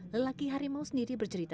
lelaki harimau sendiri bercerita